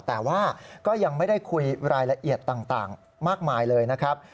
แต่ว่าก็ยังไม่ได้คุยรายละเอียดต่างมากมายเลยนะครับ